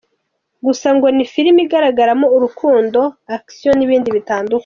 Gusa ngo ni Filimi igaragaramo urukundo, action n’ibindi bitandukanye.